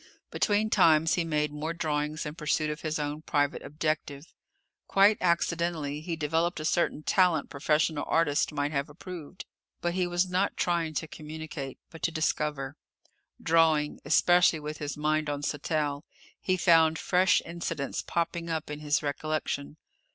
Between times he made more drawings in pursuit of his own private objective. Quite accidentally, he developed a certain talent professional artists might have approved. But he was not trying to communicate, but to discover. Drawing especially with his mind on Sattell he found fresh incidents popping up in his recollection.